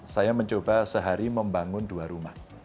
saya mencoba sehari membangun dua rumah